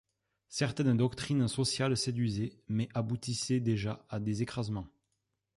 Certaines doctrines sociales séduisaient, mais aboutissaient déjà à des écrasements.